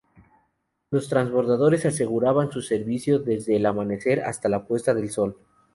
Los transbordadores aseguraban su servicio desde el amanecer hasta la puesta del sol.